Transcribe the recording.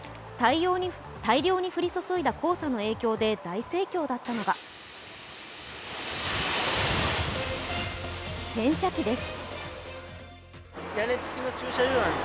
大量に降り注いだ黄砂の影響で大盛況だったのが洗車機です。